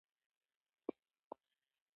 مسلسل ریاضت او کوښښ پکار دی.